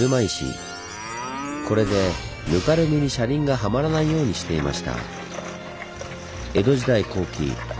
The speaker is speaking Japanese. これでぬかるみに車輪がはまらないようにしていました。